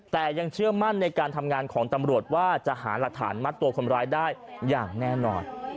แต่ยังเชื่อมั่นในการทำงานของตำรวจว่าจะหาหลักฐานมัดตัวคนร้ายได้อย่างแน่นอน